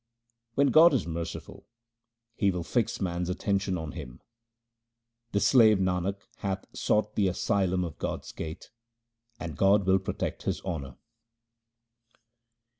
When God is merciful, He will fix man's attention on Him, The slave Nanak hath sought the asylum of God's gate, and God will protect His honour.